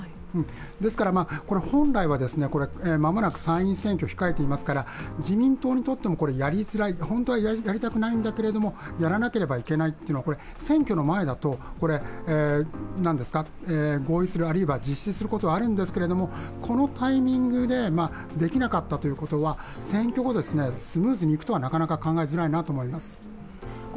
ですから、本来も間もなく参院選挙控えていますから自民党にとってもやりづらい、本当はやりたくないんだけれども、やらなければいけないというのは選挙の前だと合意するあるいは実施することがあるんですけどこのタイミングでできなかったということは選挙後、スムーズにいくとはなかなか考えづらいなと思います。